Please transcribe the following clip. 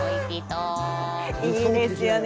いいですよね。